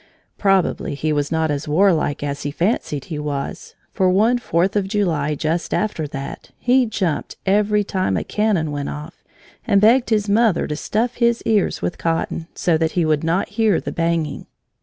Probably he was not as warlike as he fancied he was, for one Fourth of July just after that, he jumped every time a cannon went off and begged his mother to stuff his ears with cotton, so that he would not hear the banging.